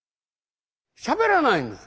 しゃべらないんです。